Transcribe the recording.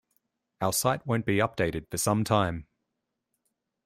Our site won't be updated for some time.